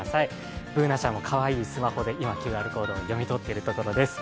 ＢｏｏｎａちゃんもかわいいスマホでＱＲコードを読み取っているところです。